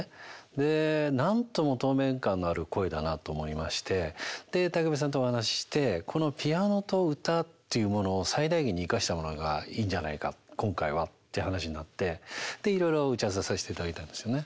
でなんとも透明感のある声だなと思いましてで武部さんとお話ししてこのピアノと歌っていうものを最大限に生かしたものがいいんじゃないか今回はって話になってでいろいろ打ち合わせをさせていただいたんですよね。